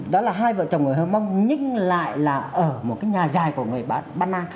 đó là hai vợ chồng người hơm mông nhưng lại là ở một cái nhà dài của người ba na